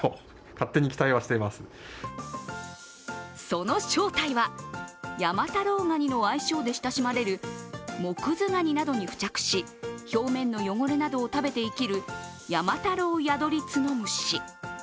その正体は、山太郎ガニの愛称で親しまれるモクズガニなどに付着し表面の汚れなどを食べて生きるヤマタロウヤドリツノムシ。